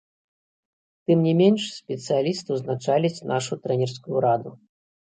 Тым не менш спецыяліст узначаліць нашу трэнерскую раду.